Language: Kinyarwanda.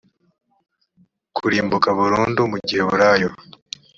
kurimbuka burundu mu giheburayo